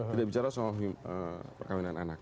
tidak bicara soal perkawinan anak